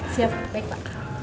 siap baik pak